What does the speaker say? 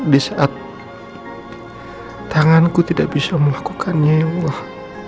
di saat tanganku tidak bisa melakukannya ya allah